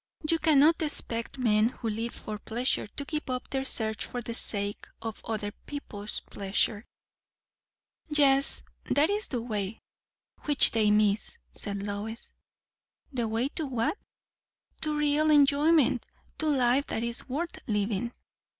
"You cannot expect men who live for pleasure to give up their search for the sake of other people's pleasure." "Yet that is the way, which they miss," said Lois. "The way to what?" "To real enjoyment. To life that is worth living."